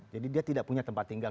jadi dia tidak punya tempat tinggal